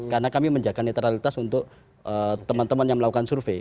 karena kami menjaga netralitas untuk teman teman yang melakukan survei